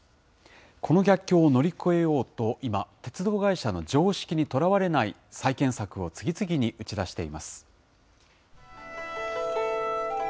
この逆境を乗り越えようと、今、鉄道会社の常識にとらわれない再建策を次々に打ち出しています。